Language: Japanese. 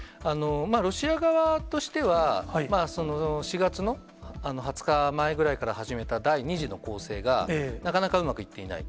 ロシア側としては、４月の２０日前ぐらいから始めた第２次の攻勢が、なかなかうまくいっていない。